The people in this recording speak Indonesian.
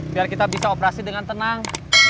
biar kita bisa operasi dengan tenang